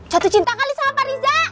jatuh cinta kali sama pak riza